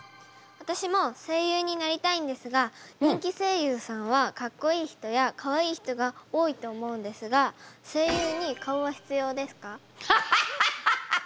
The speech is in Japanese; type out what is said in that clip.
私も声優になりたいんですが人気声優さんはかっこいい人やかわいい人が多いと思うんですがハハハハハッ！